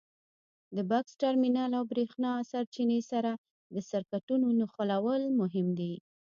د بکس ټرمینل او برېښنا سرچینې سره د سرکټونو نښلول مهم دي.